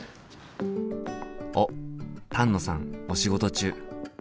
おっ丹野さんお仕事中。